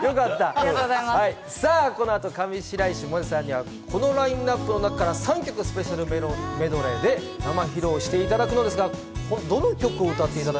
この後、上白石萌音さんにこのラインナップの中から３曲スペシャルメドレーで生披露していただくんですけれども、どの歌を？